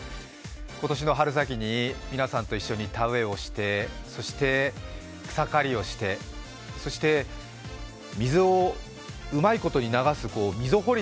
今年の春先に皆さんと一緒に田植えをして、そして草刈りをして、そして水をうまいこと流す溝掘り